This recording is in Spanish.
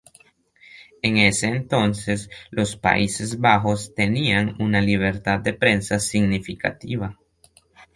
En ese entonces, los Países Bajos tenían una libertad de prensa significativa.